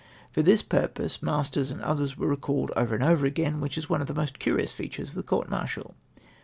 For this purpose masters and others were recalled over and over again — which is one of tlie most curious features of the court martial